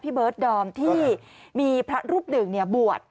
เบิร์ดดอมที่มีพระรูปหนึ่งบวช